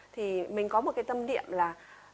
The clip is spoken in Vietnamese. thì mình có một cái tâm điệm là